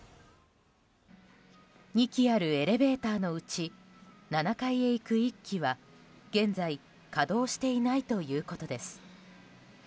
２基あるエレベーターのうち７階へ行く１基は現在、稼働していないということです。